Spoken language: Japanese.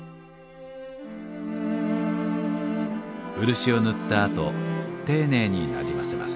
漆を塗ったあと丁寧になじませます。